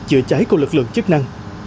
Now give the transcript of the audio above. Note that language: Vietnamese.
chữa trái của lực lượng chức năng